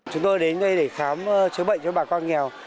chúng tôi đến đây để khám chữa bệnh cho bà con nghèo